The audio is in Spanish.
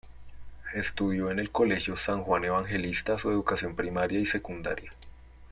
Estudió en el Colegio San Juan Evangelista su educación primaria y secundaria.